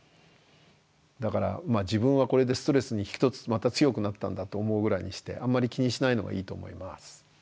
だからまあ自分はこれでストレスに一つまた強くなったんだと思うぐらいにしてあんまり気にしないのがいいと思います。